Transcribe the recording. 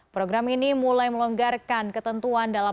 program ini mulai melonggarkan ketentuan dalam